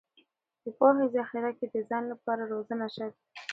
د پوهې ذخیره کې د ځان لپاره روزنه شرط دی.